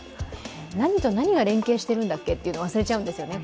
何と何が連携しているんだってというのが忘れちゃうんですよね。